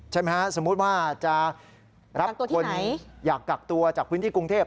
ใช่ไหมฮะสมมุติว่าจะรับคนอยากกักตัวจากพื้นที่กรุงเทพ